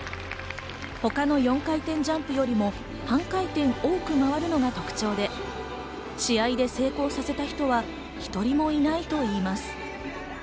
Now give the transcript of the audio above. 他の４回転ジャンプよりも半回転多く回るのが特徴で、試合で成功させた人は一人もいないと言います。